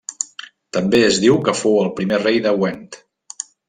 També es diu que fou el primer rei de Gwent.